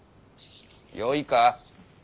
よいか。